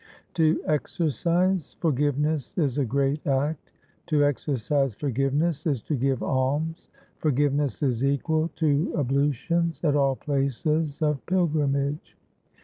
' To exercise forgiveness is a great act. To exer cise forgiveness is to give alms. Forgiveness is equal to ablutions at all places of pilgrimage.